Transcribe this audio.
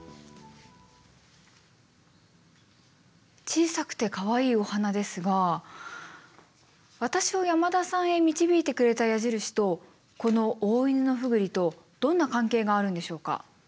小さくてかわいいお花ですが私を山田さんへ導いてくれた矢印とこのオオイヌノフグリとどんな関係があるんでしょうか？